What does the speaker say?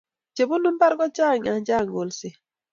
chebunu mbar kochang ya chang kolset